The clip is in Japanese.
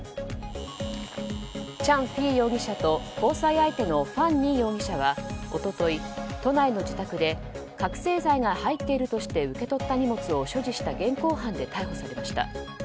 チャン・フィー容疑者と交際相手のファン・ニー容疑者は一昨日、都内の自宅で覚醒剤が入っているとして受け取った荷物を所持した現行犯で逮捕されました。